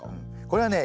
これはね